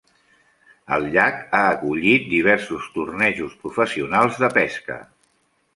El llac ha acollit diversos tornejos professionals de pesca.